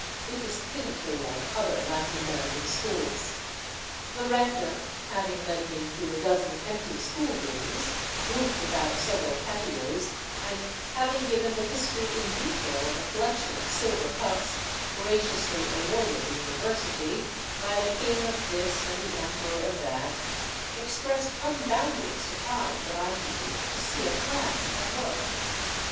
It was pitifully like other Latin American schools. The rector, having led me through a dozen empty school rooms grouped about several patios, and having given the history in detail of a collection of silver cups " graciously awarded the University " by the king of this and the emperor of that, expressed unbounded surprise that I should wish to see a class at work.